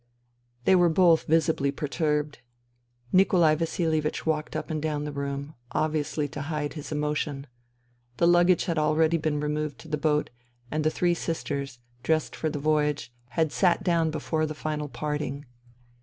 ... They were both visibly perturbed. Nikolai Vasilievich walked up and down the room, obviously to hide his emotion. The luggage had already been removed to the boat, and the three sisters, dressed for the voyage, had sat down before the final parting.